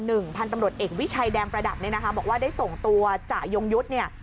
พันธุ์ตำรวจเอกวิชัยแดงประดับบอกว่าได้ส่งตัวจ่ายงยุทธ์